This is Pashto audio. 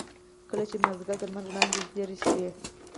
کله چې مازيګر د لمر وړانګې زيړې شوې.